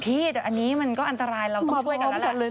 พี่แต่อันนี้มันก็อันตรายเราต้องช่วยกันแล้วแหละ